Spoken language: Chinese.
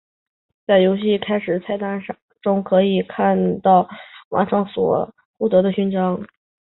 在游戏的开始菜单中可以看到完成所获得的勋章。